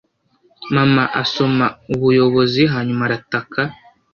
mama asoma ubuyobozi hanyuma arataka